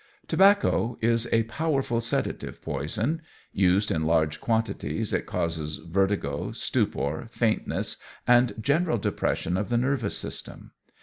Tobacco is a powerful sedative poison; used in large quantities it causes vertigo, stupor, faintness, and general depression of the nervous system.